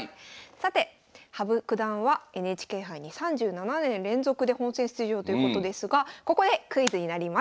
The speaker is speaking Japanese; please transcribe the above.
さて羽生九段はＮＨＫ杯に３７年連続で本戦出場ということですがここでクイズになります。